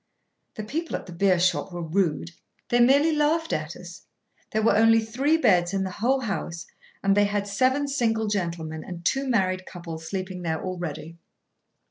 The people at the beershop were rude. They merely laughed at us. There were only three beds in the whole house, and they had seven single gentlemen and two married couples sleeping there already.